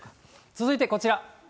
続いてこちら。